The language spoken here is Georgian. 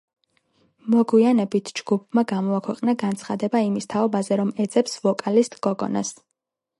მოგვიანებით ჯგუფმა გამოაქვეყნა განცხადება იმის თაობაზე, რომ ეძებს ვოკალისტ გოგონას.